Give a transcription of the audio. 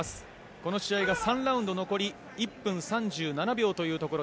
この試合が３ラウンド残り１分３７秒というところ。